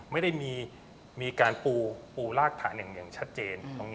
ไม่ได้มีการปูรากฐานอย่างชัดเจน